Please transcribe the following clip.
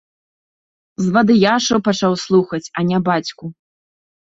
Звадыяшаў пачаў слухаць, а не бацьку.